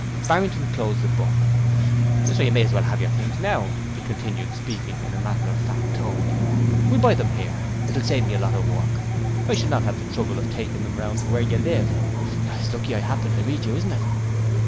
Barrington closed the book: 'So you may as well have your things now,' he continued, speaking in a matter of fact tone. 'We'll buy them here; it will save me a lot of work. I shall not have the trouble of taking them round to where you live. It's lucky I happened to meet you, isn't it?'